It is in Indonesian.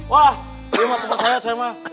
wah ini mah temen saya saya mah